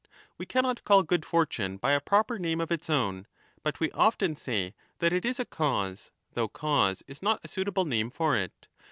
5 We cannot call good fortune by a proper name of its own, but we often say that it is a cause, though cause is not a suitable name for it.